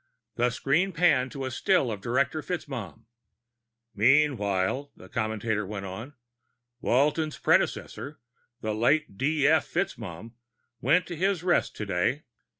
The screen panned to a still of Director FitzMaugham. "Meanwhile," the commentator went on, "Walton's predecessor, the late D. F. FitzMaugham, went to his rest today.